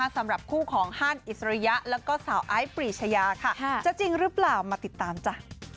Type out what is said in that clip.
สำหรับคู่ของฮันอิสริยะแล้วก็สาวไอซ์ปรีชยาค่ะจะจริงหรือเปล่ามาติดตามจ้ะ